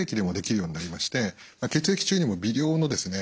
血液中にも微量のですね